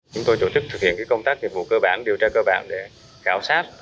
chúng tôi chủ tức thực hiện công tác nghiệp vụ cơ bản điều tra cơ bản để khảo sát